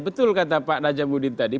betul kata pak najamudin tadi